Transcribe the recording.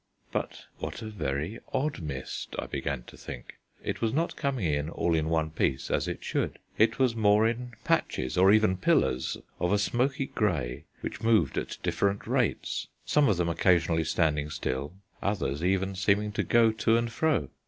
But what a very odd mist, I began to think. It was not coming in all in one piece as it should. It was more in patches or even pillars of a smoky grey which moved at different rates, some of them occasionally standing still, others even seeming to go to and fro.